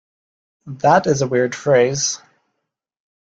That is a weird phrase.